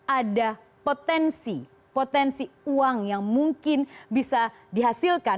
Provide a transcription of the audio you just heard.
ada potensi potensi uang yang mungkin bisa dihasilkan